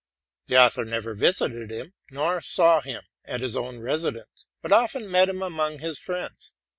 The author never visited him, nor saw him at his own residence, but often met him among his friends.